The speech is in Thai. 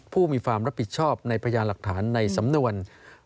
ผู้มีความรับผิดชอบในพยานหลักฐานในสำนวน